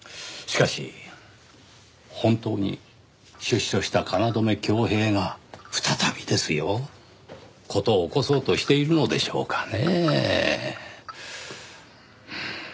しかし本当に出所した京匡平が再びですよ事を起こそうとしているのでしょうかねぇ？